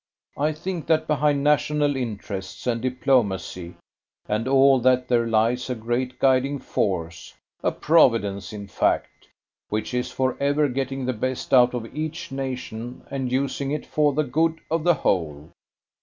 I think that behind national interests and diplomacy and all that there lies a great guiding force a Providence, in fact which is for ever getting the best out of each nation and using it for the good of the whole.